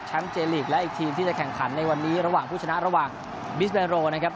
เจลีกและอีกทีมที่จะแข่งขันในวันนี้ระหว่างผู้ชนะระหว่างบิสเบโรนะครับ